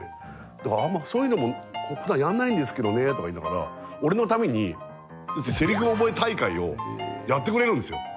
だから、あんまそういうのもふだんやんないんですけどねとか言いながら、俺のためにセリフ覚え大会をやってくれるんですよ。